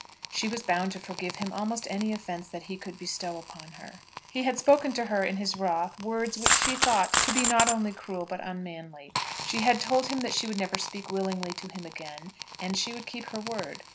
She was bound to forgive him almost any offence that he could bestow upon her. He had spoken to her in his wrath words which she thought to be not only cruel but unmanly. She had told him that she would never speak willingly to him again; and she would keep her word.